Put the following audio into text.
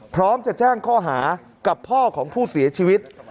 พร้อมจะแจ้งข้อหากับพ่อของผู้เสียชีวิต